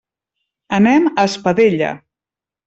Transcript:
Anem a Espadella.